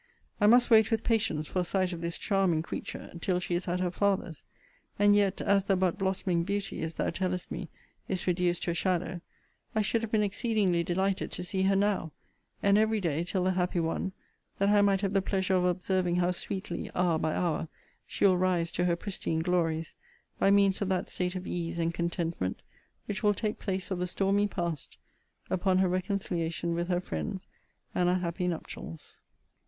I must wait with patience for a sight of this charming creature, till she is at her father's. And yet, as the but blossoming beauty, as thou tellest me, is reduced to a shadow, I should have been exceedingly delighted to see her now, and every day till the happy one; that I might have the pleasure of observing how sweetly, hour by hour, she will rise to her pristine glories, by means of that state of ease and contentment, which will take place of the stormy past, upon her reconciliation with her friends, and our happy nuptials.